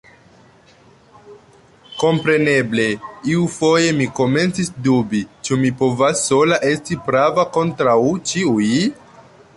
Kompreneble, iufoje mi komencis dubi, ĉu mi povas sola esti prava kontraŭ ĉiuj?